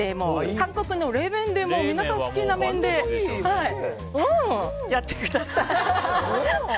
韓国の冷麺でも、皆さんお好きな麺でやってください。